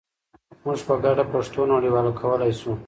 موږ په ګډه پښتو نړیواله کولای شو.